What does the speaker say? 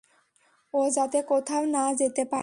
ও যাতে কোথাও না যেতে পারে।